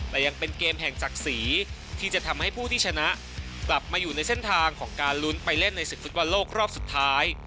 แต่ยังเป็นเกมแห่งศักดิ์ศรีที่จะทำให้ผู้ที่ชนะกลับมาอยู่ในเส้นทางของการลุ้นไปเล่นในศึกฟุตบอลโลกรอบสุดท้าย